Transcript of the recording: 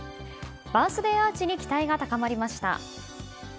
バースデーアーチに期待が高まりました。